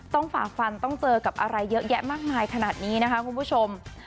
ฝ่าฟันต้องเจอกับอะไรเยอะแยะมากมายขนาดนี้นะคะคุณผู้ชม